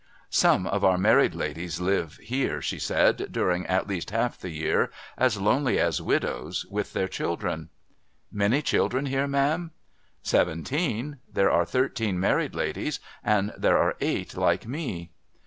' Some of our married ladies live here,' she said, ' during at least lialf the year, as lonely as widows, with their children.' 'Many children here, ma'am?' 'Seventeen. There are thirteen married ladies, and there are eight like me.'